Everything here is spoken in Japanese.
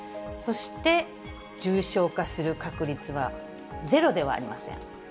そして、重症化する確率はゼロではありません。